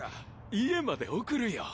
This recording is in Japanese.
家まで送るよ。